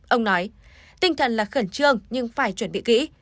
ông nói tinh thần là khẩn trương nhưng phải chuẩn bị kỹ